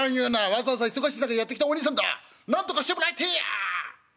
わざわざ忙しい中やって来たおにいさんだなんとかしてもらいてえや』。